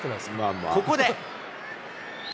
ここで。